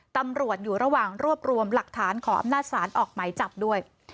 ตำรวจอยู่ระหว่างรวบรวมหลักฐานขออำนาจศาลออกไหมจับด้วย